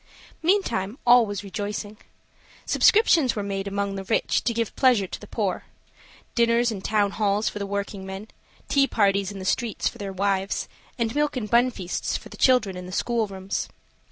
Meantime all was rejoicing. Subscriptions were made among the rich to give pleasure to the poor; dinners in town halls for the workingmen; tea parties in the streets for their wives; and milk and bun feasts for the children in the schoolrooms.